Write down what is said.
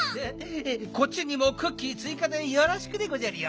こっちにもクッキーついかでよろしくでごじゃるよ！